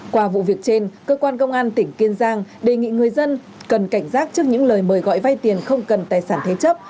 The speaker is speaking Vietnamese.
qua vụ việc trên cơ quan công an tỉnh kiên giang đề nghị người dân cần cảnh giác trước những lời mời gọi vay tiền không cần tài sản thế chấp